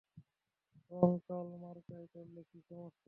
কঙ্কাল মার্কায় করলে কী সমস্যা?